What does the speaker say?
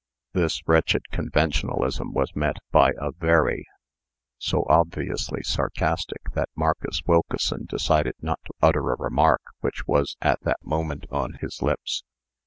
This wretched conventionalism was met by a "Very," so obviously sarcastic, that Marcus Wilkeson decided not to utter a remark which was at that moment on his lips.